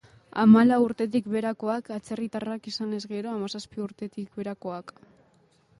hamalau urtetik beherakoak, atzerritarrak izanez gero hamazazpi urtetik beherakoak